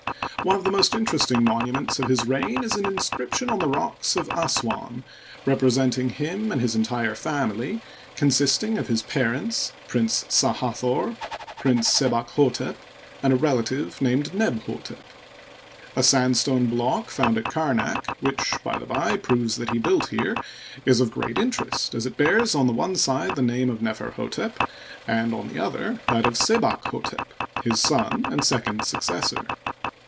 One of the most interesting monu ments of his reign is an inscription on the rocks of Ass Uigitized byCjOOQlC THE FOURTEENTH DYNASTY. 6i uan, representing him and his entire family, consisting of his parents, Prince Sa Hathor, Prince Sebakhdtep, and a relative named Nebhdtep* A sandstone block found at Kamak which, by the by, proves that he built here, is of great interest, as it bears on the one side the name of Neferh6tep and on the other that of Sebakhdtep^ his son and second successor.